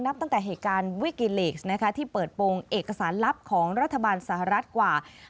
นับตั้งแต่เหตุการณ์วิกิลีกซ์นะคะที่เปิดโปรงเอกสารลับของรัฐบาลสหรัฐกว่า